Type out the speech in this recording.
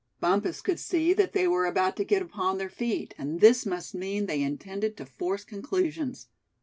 Bumpus could see that they were about to get upon their feet, and this must mean they intended to force conclusions.